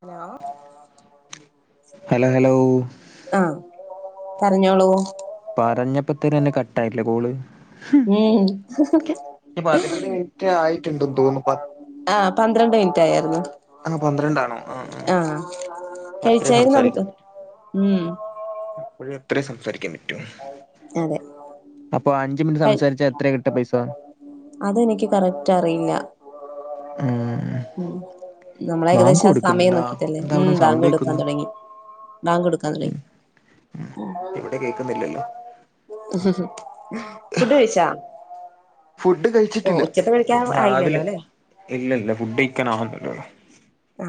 Hello hello hello ആഹ് പറഞ്ഞോളൂ പറഞ്ഞപ്പത്തേന് തന്നെ കട്ടായിട്ടില്ലേ കോള് ഉം ഈ പതിനൊന്ന് മിനിറ്റ് ആയിട്ടുണ്ടെന്ന് തോന്നുന്നു പ ആ പന്ത്രണ്ട് മിനിറ്റ് ആയായിരുന്നു ആ അത്രേ കഴിച്ചായിരുന്നോ എന്നിട്ട് ഉം അപ്പഴ് അത്രയേ സംസാരിക്കാൻ പറ്റുവോ അതെ മിനിറ്റ് സംസാരിച്ചാ എത്രയാ കിട്ടാ പൈസ അതെനിക്ക് കറക്റ്റ് അറിയില്ല ഉം ഉം നമ്മള് ബാങ്ക് ഏകദേശം ആ സമയം കൊടുക്കുന്നുണ്ടാ നോക്കിട്ടല്ലേ എന്താ ഉം അവിടെ ബാങ്ക് സൗണ്ട് കൊടുക്കാൻ കേക്കുന്ന് തുടങ്ങി ബാങ്ക് കൊടുക്കാൻ തൊടങ്ങി ഉം ഇവിടെ കേൾക്കുന്നില്ലല്ലോ ഫുഡ് കഴിച്ചോ ഫുഡ് കഴിച്ചിട്ടില്ല ആയില്ലല്ലോ രാവിലെ അല്ലെ ഇല്ല ഇല്ല ഫുഡ് കഴിക്കൻ ആവുന്നല്ലേയുള്ളു ആ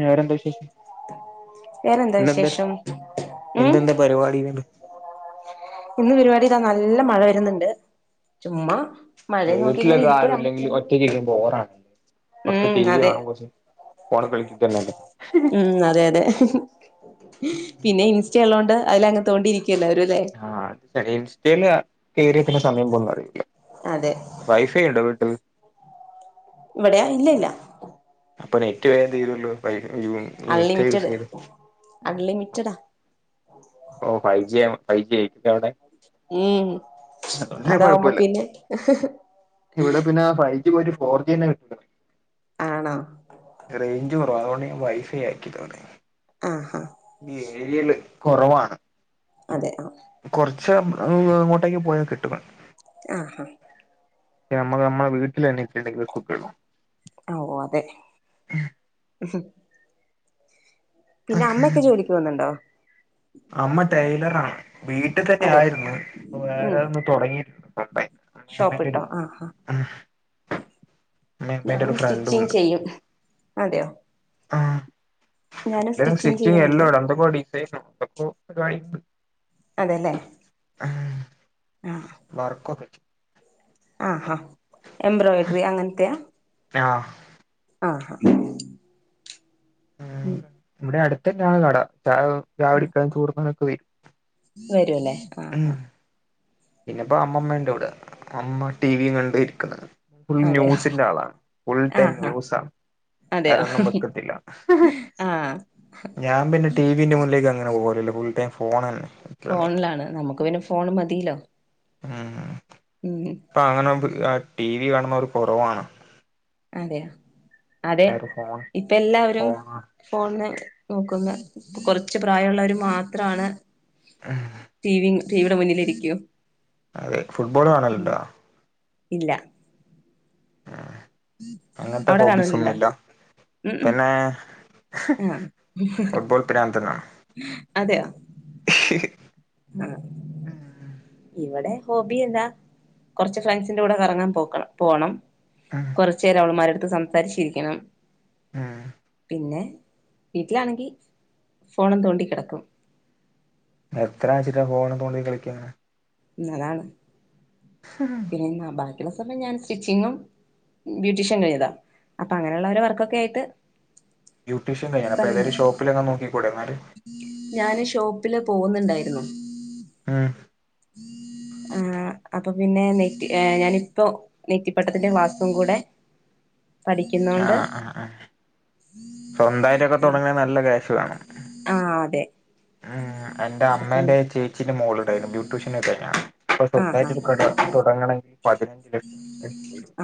വേറെന്താ വിശേഷം വേറെന്താ ഇന്നെന്താ വിശേഷം ഉം ഇന്നെന്താ പരുപാടികൾ ഇന്ന് പരിപാടി ദാ നല്ല മഴ വരുന്നുണ്ട് ചുമ്മാ മഴയും നോക്കി ഇങ്ങനെ വീട്ടിലൊക്കെ ആരും ഇരിക്കലാണ് ഇല്ലെങ്കിൽ ഒറ്റയ്ക്ക് ഇരിക്കുമ്പോ ബോറാണ് കുറച്ച് ഉം ടി വി അതെ കാണും കുറച്ച് ഫോണ് കളിക്കുന്നല്ലേ ഉം അതെ അതെ പിന്നെ ഇൻസ്റ്റ ഉള്ളോണ്ട് അതില അങ്ങ് തോണ്ടിയിരിക്കുവല്ലാരും ല്ലേ ആ ഇൻസ്റ്റല് കേറിയ പിന്നെ സമയം പോകുന്നത് അറിയില്ല. അതെ വൈഫൈ ഉണ്ടോ വീട്ടില് ഇവിടെയാ ഇല്ലല്ല അപ്പൊ നെറ്റ് വേം തീരോല്ലോ ഇൻസ്റ്റ അൺലിമിറ്റഡ് യൂസെയ്താ അൺലിമിറ്റഡാ ഓ ഫൈവ് ജിആണ്. ഫൈവ് ജി അവിടെ അതോണ്ട് ഉം പിന്നെ അതാവുമ്പോ കുഴപ്പല്ല. പിന്നെ ഇവിടെ പിന്നെ ഫൈ ജി പോയ്‌റ്റ് ഫോർജിന്നെ കട്ട് ആണോ റൈഞ്ച് കുറവാ. അതോണ്ട് ഞാൻ വൈഫൈ ആക്കി തോട ആഹാ ഈ ഏര്യയില് കൊറവാണ് അതെ ആ കൊർച്ച് അങ്ങോട്ടേക്ക് പോയ കിട്ടും ആഹ് ഹാ നമ്മള് നമ്മളെ വീട്ടിലെന്നെ [unintelligible] ഓ അതെ പിന്നെ അമ്മഒക്കെ ജോലിക്ക് പോകുന്നുണ്ടോ അമ്മ ടൈലറാണ് വീട്ട്തന്നെ അതെ ആയിരുന്നു പൊ വേറെ ഒന്ന് തൊടങ്ങിയിട്ടുണ്ട്. ഫുൾ ടൈം ഷോപ്പ് ഇട്ടോ ആഹ് ആ ഹ് ഞാനും സ്റ്റിച്ചിങ് ചെയ്യും. അതെയോ ആ. [unintelligible] ഞാനും സ്റ്റിച്ചിങ് ചെയ്യുന്നുണ്ട് എല്ലാംണ്ട്‌ എന്തൊക്കൊ ഡിസൈന എന്തൊക്കൊ [unintelligible] അതെല്ലേ ആഹ് വർക്കൊക്കെ ആഹ് ഹാ എംബ്രോയ്ഡ്രി അങ്ങൻത്തെയാ ആഹ് ആഹ് ഹ ഇവടെ അടുത്തെന്നാണ് കട ചായകുടിക്കാനും ചോറ്ന്നാനൊക്കെ വെരും. വരൂല്ലേ ആഹ് ആഹ് പിന്നെപ്പോ അമ്മമ്മണ്ട് ഇവ്ടെ അമ്മ ടി വി യും കണ്ട്‌ ഇരിക്കുന്ന് ഫുൾ അതെയോ ന്യൂസിന്റെ ആളാണ്. ഫുൾ ടൈം ആഹ് ആഹ് ന്യൂസണ് അതെയോ വേരൊന്നും വെക്കത്തില്ല ആഹ് ഞാൻ പിന്നെ ടി വിന്റെ മുന്നിലേക്ക് അങ്ങനെ പോവലില്ല ഫുൾ ടൈം ഫോണെന്നെ ഫോണിലാണ് നമുക്ക് പിന്നെ ഫോണ് മതീലോ ഉം ഉം പ്പ അങ്ങനെ ടി വി കാണ്ന്നോർ കൊ കൊറവാണ്. അതെയ അതെ ഫോൺ ഇപ്പ എല്ലാവരും ഫോണാ ഫോൺന്ന് നോക്കുന്ന കൊറച്ച് പ്രായള്ളോര് മാത്രാണ് ഉം ടീ വി ടെ മുന്നിലിരിക്കൂ അതെ ഫുട്ബോള് ഉം കാണല്ണ്ടോ ഇല്ല അങ്ങനത്തെ അവിടെ ഹോബീസ് കാണല്ണ്ടാ ഒന്നുമില്ല ഉം പിന്നെ ഉ ആഹ് ഫുട്ബോൾ പ്രാന്തനാണ് അതെയ ആഹ് ഉം ഇവടെ ഹോബി എന്താ? കൊർച്ച് ഫ്രണ്ട്സിന്റെ കൂടെ കറങ്ങാൻ പോക്കണ് പോണം കൊറച്ചേര അവള്മ്മാരെട് ത്ത് സംസാരിച്ചിരിക്കണം ആഹ് പിന്നെ വീട്ടിലാണെങ്കി ഫോണും തോണ്ടിക്കേടക്കും എത്രാന്ന്ച്ചിട്ടാ ഫോണ് തോണ്ടി കളിക്കാ എന്നതാണ് പിന്നെ [unintelligible] ക്കണ സമയം ഞാൻ സ്റ്റിച്ചിങ്ങും ബ്യൂട്ടീഷ്യൻ കഴിഞ്ഞതാ അപ്പാ അങ്ങനെള്ള ഒരോ വർക്കൊക്കെ ആയിട്ട് ബ്യൂട്ടീഷ്യ കഴിഞ്ഞാണോ അപ്പോ സമയം ഏതേലും പോവും ഷോപ്പിലൊക്കെ നോക്കിക്കുടെ എന്നാല് ഞാന് ഷോപ്പില് പോവുന്നുണ്ടാരുന്നു ആഹ് ആഹ് അപ്പൊ പിന്നെ നെറ്റി ഞാനിപ്പോ നെറ്റിപ്പട്ടത്തിന്റെ ക്ലാസ്സും കൂടെ പഠിക്കുന്നോണ്ട് ആഹ് ആഹ് ആഹ് സ്വന്തയിട്ടോക്കെ തൊടങ്ങണേ നല്ല ക്യാഷ് വേണം ആഹ് അതെ ഉം എന്റെ അപ്പം അമ്മേന്റെ ചേച്ചീന്റെ മോള ഇടരുന്നു ബ്യൂട്ടീഷ്യൻക്കെയാണ് അപ്പൊ ആഹ് സ്വന്ത്മായിട്ട് ഒരു കട തുടങ്ങണ്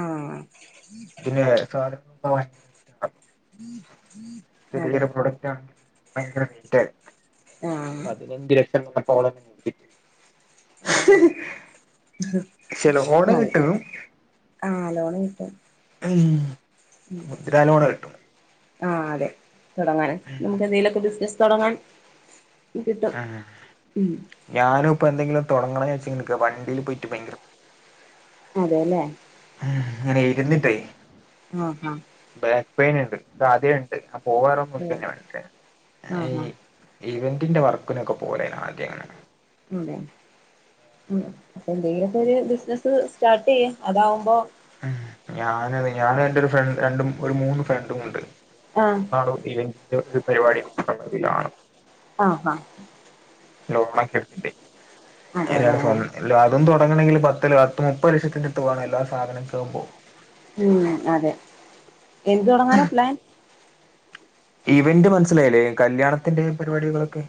ആഹ് ആഹ് [unintelligible] അതെ ചെറിയരു പ്രോഡക്റ്റ് [unintelligible] ഭയങ്കര നീറ്റ് ആഹ് പതിനഞ്ചു ലക്ഷം [unintelligible] അതെ [unintelligible] ക്ഷെ ലോണ് നല്ല കിട്ടും ആഹ് ലോൺ കിട്ടും [unintelligible] മുദ്ര ലോണ് കിട്ടും അഹ് അതെ തുടങ്ങാന നമുക്ക് എന്തെലിലൊക്കെ ബിസിനസ് തുടങ്ങാൻ കിട്ടും ആഹ് ഉം ഞാനും ഇപ്പൊ എന്തെങ്കിലും തുടങ്ങണന്ന് വെച്ചക്ക് വണ്ടിൽ പോയിട്ട് ഭയങ്കര അതെല്ലേ അങ്ങനെ ഇരുന്നിട്ടേ ആഹാ ബാക്ക് പെയിൻ ഉണ്ട് ആദ്യ ട് ആ പോവാറൊ [unintelligible] ആഹ് ആഹ് ഇവന്റിന്റെ വർക്കിനൊക്കെ പോലെ ആദ്യംങ്ങനെ ഉംതെ ഉം എന്തെങ്കിലുമൊക്കെ ഒരു ബിസിനസ് സ്റ്റാർട്ട് ചെയ്യ് അതാവുമ്പോ ഞാന ഞൻ എന്റെ ഒരു ഫ്രണ്ട് രണ്ടും ഒരു മൂന്ന് ഫ്രണ്ടും ഉണ്ട് ആഹ് [unintelligible] ഇവന്റിന്റെ ഒരു പരിപാടി ആഹാ അതെല്ലേ [unintelligible] കാണും [unintelligible] തുടങ്ങണെങ്കി പത്ത് പ മുപ്പത് ലക്ഷത്തിന്റെ അട്ത്ത് വെണല്ലോ സാധനം കെ ആകുമ്പോ ഉം അതെ എന്ത് തുടങ്ങാനാ പ്ലാൻ? ഇവന്റ് മനസ്സിലായില്ലേ കല്യാണത്തിന്റെ പരിപാടികളൊക്കെ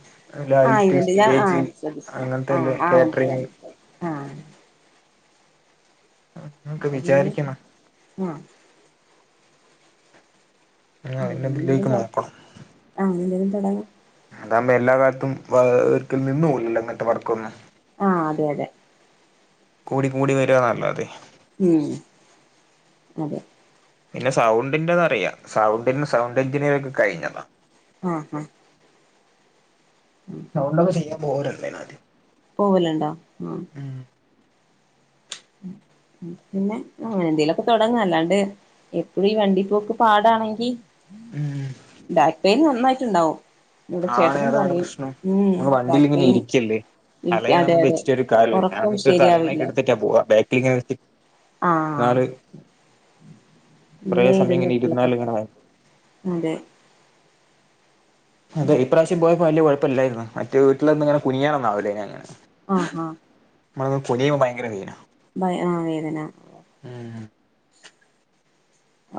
ആഹ് ലൈറ്റ് ഇവന്റ് ഞാൻ സ്റ്റേജ് ആഹ് ശ്രദ്ധിച്ചില്ല അങ്ങൻത്തെ ആഹ് എലേം ആഹ് കാറ്ററിങ് മനസ്സിലായി മനസ്സിലായി ആഹ് ൻക്ക് അപ്പൊ പിന്നെ വിചാരിക്കണം ആഹ് [unintelligible] അതിന്റെ എന്തെങ്കിലും ഇതിലേക്ക് നോക്കണം തോടങ്ങാം അതാവുമ്പോ എല്ലാ കാലത്തും ഒരിക്കൽ നിന്നു പോവില്ലല്ലോ ഇങ്ങൻത്തെ വർക്കൊന്നും ആഹ് അതെ അതെ കൂടി കൂടി വരാന്നല്ലാതെ ഉം അതെ പിന്നെ സൗണ്ടിന്റെന്നറിയാ സൗണ്ട്ന്റെ സൗണ്ട് എഞ്ചിനീയറോക്കെ കഴിഞ്ഞതാ ആഹ ഹഹ സൗണ്ടൊക്കെ ചെയ്യാൻ [unintelligible] പോവലുണ്ടോ ഉ ഉം ഉം പിന്നെ അങ്ങനെ എന്തേലുംൊക്കെ തുടങ്ങല്ലാണ്ട് എപ്പഴും ഈ വണ്ടി പോക്ക് പാടാണെങ്കി ഉം ബാക്ക് പെയിൻ നന്നായിട്ടുണ്ടാവും. ഇവിടെ ആണ് ചേട്ടനും ഏതാാണ് പറയും പ്രശ്നം ഉം നി ബാക്ക് വണ്ടിൽിങ്ങനെ പെയിൻ ഇരിക്കല്ലേ ഇരിക്ക അതെ തലേണന്ന അതെ വെച്ചിട്ടൊ കാല് ഞാ ഉറക്കം എന്നിട്ട് ശരിയാവില്ല തലേണൊക്കെ എടുത്തിട്ടാ പോവാ ബാറ്റ നാള് കുറേ അങ്ങനെ സമയം ഇങ്ങനെ ഇരുന്നിട്ടുള്ളപ്പ ഇരുന്നാല് ഇങ്ങനെ ഭയങ്കര അതെ അതെ ഇപ്രാവശ്യം പോയപ്പോ വിയ കുഴപ്പില്ലല്ലായിരുന്നു മറ്റ വീട്ടിൽൊന്ന ഇങ്ങന കുനിയണന്നാവില്ലേനെ അങ്ങനെ ആഹഹ നമ്മ കുനിയ ഭയങ്കര വീന ആ വേദന ഉം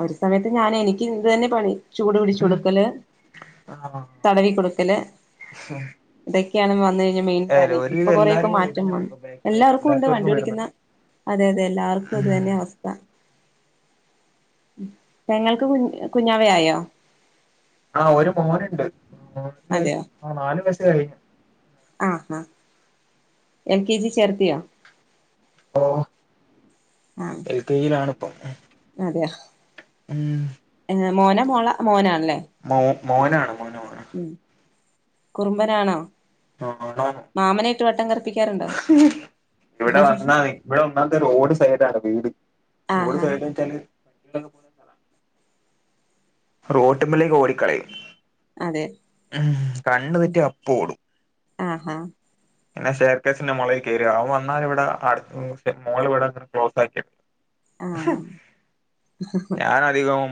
ഒരു സമയത്ത് ഞാൻ എനിക്ക് ഇതു തന്നെ പണി ചൂട് പിടിിച്ച ഉം കൊടുക്കല് ആഹ് തടവിിക്ക കൊടുക്കല് ഇത വന്ന കഴിഞ്ഞാൽ മെയിൻ പണി ഏതായാലും ഇപ്പൊ ഒരുവിധം കൊറെേൊക്കെ എല്ലാർക്കും മാറ്റം വ വരുന്നുണ്ട് ഇപ്പൊ ബാക്ക് പെയിൻ എല്ലാവർക്കും ഉണ്ട് അല്ലാത്തവർക്കും വണ്ടിപടിക്കുന്ന വരുന്നുണ്ട് അതെ അതെ എല്ലാവർക്കും അത് ഉം തന്നെ അവസ്ഥ തെങ്ങൾക്ക് കുഞ് കുഞ്ഞാവയയോ? ആഹ ഒരു മോനുണ്ട് ന വയ ആ നാലു വയ കഴിഞ്ഞു അഹണ എൽ കെ ജി ചേർത്തിയോ? ഇപ്പോ എൽ കെയിലാണിപ്പം അതെ ഉം മോന മോള മോനാണല്ലേ മോ മോനാണ് മോനോ ഉം കുറുമ്പനാണോ ആതാണ് മാമനായിട്ട് വട്ടം കറപ്പിക്കാറുണ്ടോ ഉ ഇവിടെ വന്നാ ഇവിടെ വന്നാ റോഡ് സൈഡ ആണ വീട് റോഡ് ആഹാ സൈഡ് വെച്ചാല് കണ്ടി പോല റോട്ടുമമ്മള്ളേക്ക് ഓടിക്കളയും അതെ ഉ കണ്ട തെറ്റി അപ്പോ ടും ആഹാ പിന്നെ ഷേർക്കേഴസിന്റെ മുകളളിൽ കയുക അവ വന്നാല ഇവിടെ മോൾ ഇവിടെ അങ്ങനെ ക്ലോസ് ആക്കിെടുക്കു ആഹ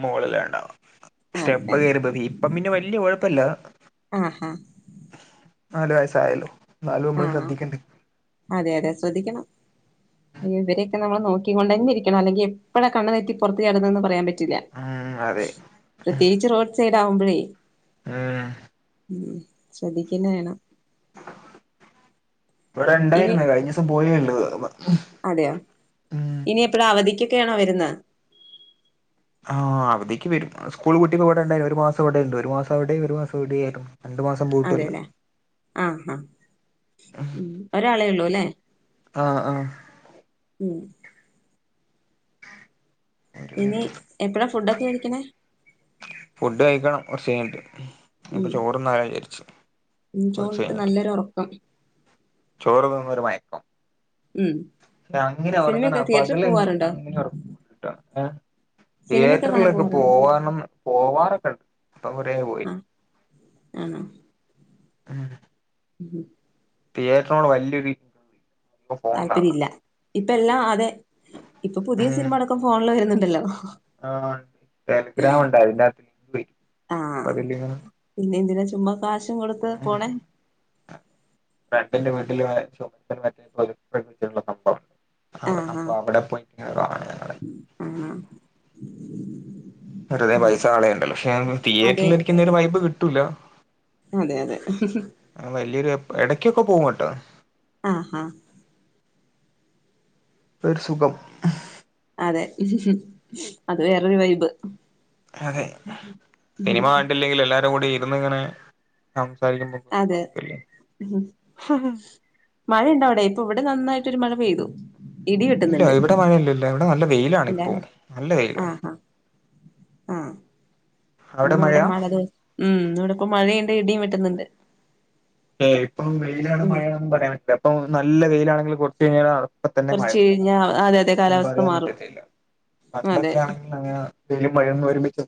മുകളില ഉണ്ടാവും സ്റ്റെപ്പ കേയറി്പ ഇപ്പ പിന്നെ വല്ിയ കുഴപ്പല്ല ആഹാ നാല് വയസ്സായാലോ ആഹ അതെ അതെ ശവദ്ദിക്കണം അയ്യ ഇവരൊക്കെ നമ്മൾ നോക്കൊണ്ട തന്ന ഇരിക്കണം അല്ലെങ്ക എപ്പഴ കണ് തെറ്റി പുറത്ത് ചടുന്നതന്ന് പറയാൻ പറ്റും ഉം അതെ പ്രത്യേകിച്ച് റോഡ് സൈഡ് ആവുമ്പോഴേ ഉം ഉ ശ്രദ്ധിക്കുന്ന വേണം ഇവിടെ ഇനി ഉണ്ടായിരുന്ന കഴിഞ്ഞ ദിവസം പോലെയ ഉള്ളത് അതെയോ ഇനി എപ്പഴാ അവധിക്കൊക്കെയാണോ വരുന്നത് ആഹ് അവധേക്ക് വരും സ്കൂൾ കുട്ടിക്ക് ഇവിടെണ്ടായാലും ഒരു മാസംവിടെണ്ട് ഒരു മാസം അവിടെ ഒരു മാസം എവിടൊലും അതെല്ലേ ആഹ ആ ഒരാളേ ഉള്ളൂ അല്ലേ ആഹ ആഹ ഉം ഇനി എപ്പഴാ ഫുഡൊക്കെ കഴിക്കണേ ഫുഡ് കഴിക്കണം കോർച്ച് കഴിഞ്ട്ട് ഉം കുറച്ച് ചോറ്ണ്ടിട്ട് കഴിഞ്ഞിട്ട് നല്ലൊരു ഒറക്കം ചോറ് തിന്നോരു മയക്കം ഉം അങ്ങനെ ഒറങ്ങന സിനിമയൊക്കെ തിയേറ്ററിൽ പകല് പോവാറുണ്ടോ അങ്ങനെ ഒറങ്ങുലട്ടോ ഏഹ് സിനിമയൊക്കെ കാണാൻ തിയേറ്ററിലൊക്കെ പോവാറുണ്ടോ പോവണന്ന് പോവാറൊക്കെ ഇണ്ട് പ്പ കോറെ പോയി. ആഹ് ആണോ? ആഹ് ഹ് തിയേറ്ററ്നോട് വല്ല്യര് [unintelligible] താല്പര്യല്ല ഇപ്പ എല്ലാ അതെ ഇപ്പൊ പുതിയ ഉം സിനിമ അടക്കം ഫോണ്ല് വരുന്നുണ്ടല്ലോ ആഹ് ടെലിഗ്രാമുണ്ട് അയിൻ്റകത്ത് [unintelligible] ചുമ്മ കാശും കൊടുത്ത് പോണേ തിലെ [unintelligible] സംഭവം അ ആഹ് അപ്പൊ ആഹ് അവിടെ പോയിട്ട്ങ്ങനെ കാണും ഞങ്ങള്. ആണോ വെറുതെ ഉം പൈസ കളേണ്ടല്ലോ, ക്ഷെ അതെ തിയേറ്ററിലിരിക്കുന്നൊരു വൈബ് കിട്ടൂല. അതെ അതെ ആഹ് വല്ല്യൊരു എടയ്ക്കൊക്കെ പോവും കേട്ടോ. ആഹാ ഒരു സുഖം. അതെ അത് വേറൊരു വൈബ്. അതെ ഉം സിനിമ കണ്ടില്ലെങ്കിലും എല്ലാരു കൂടി ഇരിന്നിങ്ങനെ അതെ [unintelligible] മഴയുണ്ടവിടെ? ഇപ്പൊവിടെ നന്നായിട്ടൊരു മഴ പെയ്തു. ഇടി ഇല്ല വെട്ടുന്നുണ്ട് ഇവിടെ മഴ ഇല്ലല്ല ഇവിടെ നല്ല വെയിലാണിപ്പോ ഇല്ലല്ലേ നല്ല വെയില. ആഹ് ആഹ് ആഹ് ഇന്നിവിടെ മഴയാ മഴ ദിവസ് ഉം ഇന്നിവിടിപ്പോ മഴയു ണ്ട് ഇടീം വെട്ടുന്നുണ്ട്. ഏഹ് ഇപ്പം വെയിലാണ് ഉം മഴയാണൊന്നും പറയാൻ പറ്റില്ല ഇപ്പൊ നല്ല വെയിലാണെങ്കില് കൊറച്ചഴിഞ്ഞാൽ അ പ്പതന്നെ കുറച്ച് മഴപെയ്യും കഴിഞ്ഞാ അതെ അതെ കാലാവസ്ഥ ഒന്ന്പറയാൻ മാറും പറ്റത്തില്ല. അതെ പണ്ടൊക്കെ ആണെങ്കിൽ അങ്ങന വെയിലും മഴയൊന്നൊരുമിച്ച്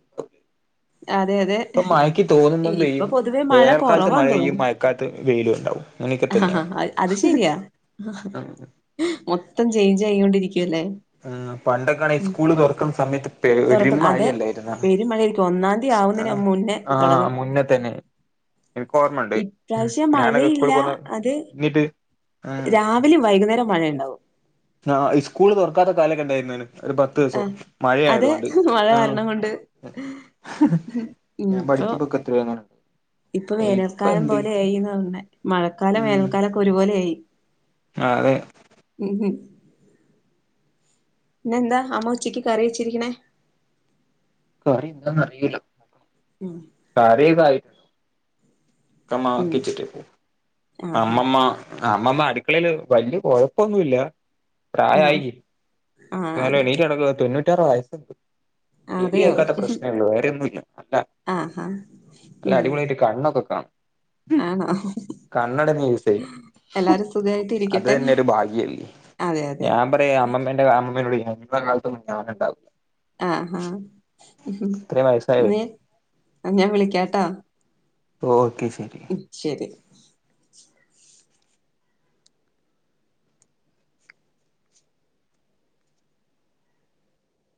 അതെ അതെ ഇപ്പ മഴക്ക് തോന്നുമ്പ ഇപ്പൊ പെയ്യും പൊതുവേ മഴ വേനൽക്കാലത്ത് മഴ കുറവാന്ന് പെയ്യും തോന്നുന്നു മ വെയിലുണ്ടാവും അങ്ങനൊക്കെ തന്നെയാണ്. ആഹ് അത് ശരിയാ മൊത്തം ചേയ്ഞ്ച് ആയിക്കൊണ്ടിരി ആഹ് പണ്ടൊക്കാണി ഇസ്കൂള് തുറക്കുന്ന സമയത്ത് പെരു തുറക്ക അതെ മഴല്ലായിരുന്നോ? പെരും മഴയായിരിക്കും ഒന്നാം തീയതി ആവുന്നതിന് ആഹ് മുന്നേ ആഹ് തുടങ്ങും മുന്നേ തന്നെ. എനിക്കോർമ്മണ്ട് ഉം ഇപ്രാവശ്യം ഞാനൊക്കെ സ്കൂള് പോന്ന ന്നിട്ട് രാവിലേം വൈകുന്നേരം മഴയുണ്ടാവും. ആഹ് ഇസ്കൂള് തുറക്കാത്ത കാലൊക്കെണ്ടായിരുന്നേനു ഒരു പത്ത് ദിവസം ആഹ് മഴയായത് അത് കൊണ്ട് മഴ ആഹ് കാരണം കൊണ്ട് ഉം ഞാൻ ഇപ്പൊ പഠിക്കുമ്പൊക്കെ എത്രയോ അങ്ങനെ ഇപ്പൊ വേനൽക്കാലം പോലെയായിന്നാ തോന്നണെ, മഴക്കാലോം വേനൽക്കാലൊക്കെ ഒരുപോലെയായി. ആഹ് അതെ. ഇന്നെന്താ അമ്മ ഉച്ചയ്ക്ക് കറിവെച്ചിരിക്കണേ? കറി എന്താന്നറിയൂല്ല നോക്കണം ഉം കറീ ക്കെ അമ്മ ഉം ആക്കി വെച്ചിട്ട് പോവും, ആഹാ അമ്മമ്മ ആ അമ്മമ്മ അടുക്കളയില് വല്യ കൊഴപ്പൊന്നുല്ല ആഹ് പ്രായായില്ലേ ആഹ് എന്നാലും അതെ എണീറ്റ് നടക്കും തൊണ്ണൂറ്റാറ് വയസ്സുണ്ട്. ചെവി അതെയോ കേൾക്കാത്ത പ്രശ്നേള്ളൂ വേറെയൊന്നൂല്ല, അതാ ആഹാ അല്ല ഉം അടിപൊളിയായിട്ട് കണ്ണൊക്കെ കാണും. ആണോ? കണ്ണടക്കെ യൂസെയ്യും എല്ലാരും സുഖായിട്ട് അത് ഇരിക്കട്ടെ തന്നെ ഒരു ഭാഗ്യല്ലേ. അതെ അതെ ഞാൻ പറയാ അമ്മമ്മേന്റെ അമ്മമ്മനോട് [unintelligible] കാലത്തൊന്നും ഞാന്ണ്ടാവില്ല. ആഹഹ ഇത്രയും വയസ്സായവര് നീ ആ ഞാൻ വിളിക്കാട്ടോ. ഓക്കെ ശരി ഉ ശരി.